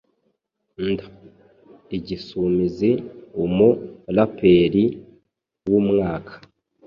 Nd igisumizi umu rapperi w' umwaka